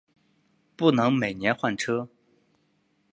不能每年换车